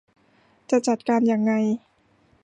จะจัดการยังไง